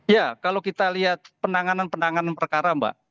ya kalau kita lihat penanganan penanganan perkara mbak